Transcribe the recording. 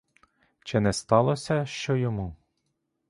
Чи не сталося що йому?